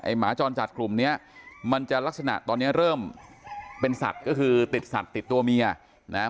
หมาจรจัดกลุ่มเนี้ยมันจะลักษณะตอนเนี้ยเริ่มเป็นสัตว์ก็คือติดสัตว์ติดตัวเมียนะฮะ